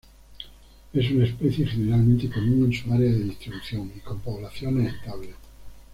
Es una especie generalmente común en su área de distribución, y con poblaciones estables.